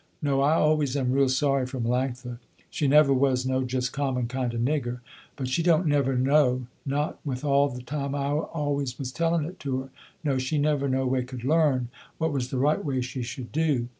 No, I always am real sorry for Melanctha, she never was no just common kind of nigger, but she don't never know not with all the time I always was telling it to her, no she never no way could learn, what was the right way she should do.